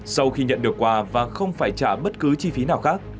sau khi nhận được quà và không phải trả bất cứ chi phí nào khác